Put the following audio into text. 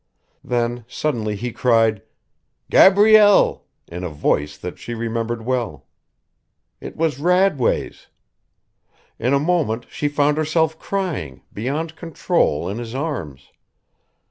Then suddenly he cried, "Gabrielle!" in a voice that she remembered well. It was Radway's. In a moment she found herself crying, beyond control, in his arms.